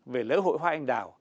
về lễ hội hoa anh đào